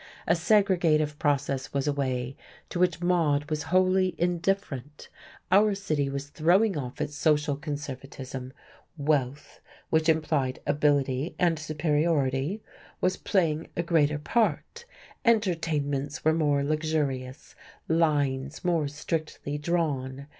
A segregative process was away to which Maude was wholly indifferent. Our city was throwing off its social conservatism; wealth (which implied ability and superiority) was playing a greater part, entertainments were more luxurious, lines more strictly drawn.